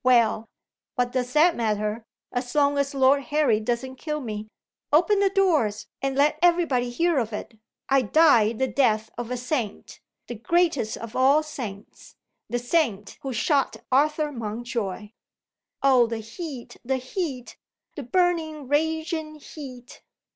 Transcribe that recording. Well, what does that matter, as long as Lord Harry doesn't kill me? Open the doors, and let everybody hear of it. I die the death of a saint the greatest of all saints the saint who shot Arthur Mountjoy. Oh, the heat, the heat, the burning raging heat!"